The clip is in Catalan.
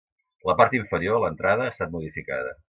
La part inferior, l'entrada, ha estat modificada.